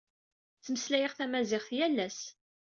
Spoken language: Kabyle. Ttmeslayeɣ tamaziɣt yal ass.